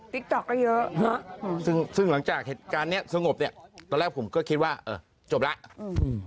ติ๊กต๊อกก็เยอะฮะอืมซึ่งซึ่งหลังจากเหตุการณ์เนี้ยสงบเนี้ยตอนแรกผมก็คิดว่าเออจบแล้วอืม